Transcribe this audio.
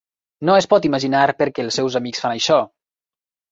No es pot imaginar perquè els seus amics fan això.